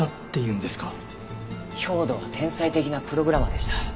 兵働は天才的なプログラマーでした。